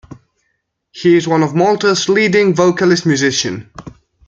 He is one of Malta's leading vocalist musician.